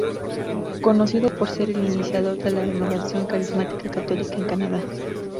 Conocido por ser el iniciador de la Renovación Carismática Católica en Canadá.